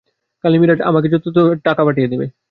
কালী মীরাট গিয়ে আমাকে যথাযথ রিপোর্ট করলে আমি টাকা পাঠিয়ে দেব।